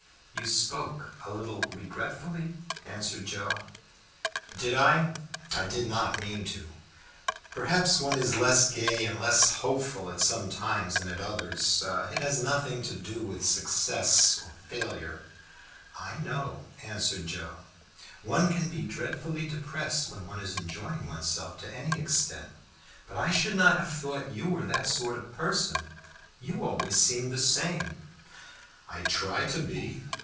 "You spoke a little regretfully," answered Joe. "Did I? I did not mean to. Perhaps one is less gay and less hopeful at some times than at others. It has nothing to do with success or failure." "I know," answered Joe. "One can be dreadfully depressed when one is enjoying one's self to any extent. But I should not have thought you were that sort of person. You seem always the same." "I try to be.